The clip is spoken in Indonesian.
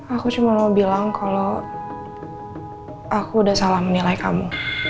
aku cuma mau bilang kalau aku udah salah menilai kamu